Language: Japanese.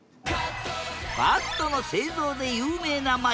バットの製造で有名な街